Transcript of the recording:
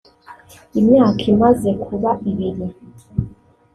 imyaka imaze kuba ibiri